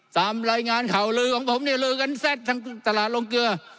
ตามรายงานข่าวลือของผมเนี่ยลือกันแซ่บทั้งตลาดลงเกลือ